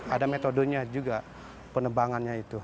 ada metodenya juga penebangannya itu